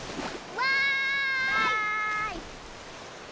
わい！